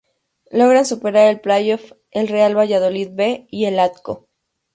Logran superar el playoff el Real Valladolid B y el Atco.